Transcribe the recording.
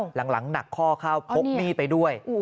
หลังหนักข้อเข้าพกหนี้ไปด้วย